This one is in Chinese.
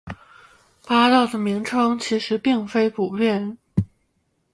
八道的名称其实并非不变。